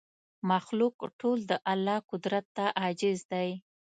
مخلوق ټول د الله قدرت ته عاجز دی